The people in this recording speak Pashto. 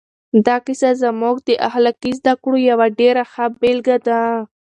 دا کیسه زموږ د اخلاقي زده کړو یوه ډېره ښه بېلګه ده.